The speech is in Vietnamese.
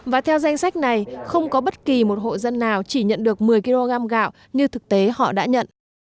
và theo danh sách này không có bất kỳ một hộ dân nào chỉ nhận được một mươi kg gạo như thực tế họ đã nhận